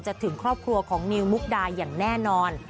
ถึงครอบครัวของนิวมุกดาอย่างแน่นอน